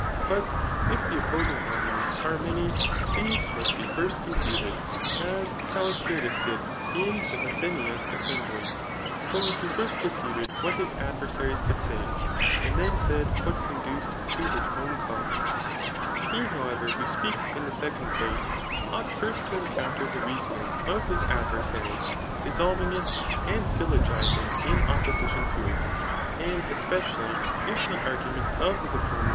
But if the opposing arguments are many, these must be first confuted, ^ Callistratiis did in CKAP* XVII* 11HST0UC« 875 the MeoseniAc aeeembly; ibr he £mt feftit^ triurt: lutt adversaries could say, and then aaid Mrhat conduced to bjb own cause* i He^ however, who speajcs in the secQiiA place, ought first' to eiicoiinter the reasoning of his ^dvfx^ sary, dissolving ic, and syllogizing in opposition to it, and especially if the arguments of his oi^nent.